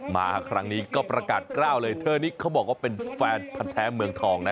มาครั้งนี้ก็ประกาศกล้าวเลยเธอนี้เขาบอกว่าเป็นแฟนพันธ์แท้เมืองทองนะ